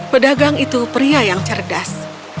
pedagang itu pria yang cerdas